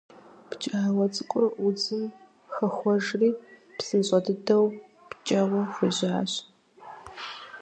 Пкӏауэ цӏыкӏур удзым хэхуэжри псынщӏэ дыдэу пкӏэуэ хуежьащ.